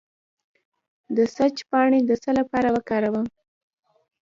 د سیج پاڼې د څه لپاره وکاروم؟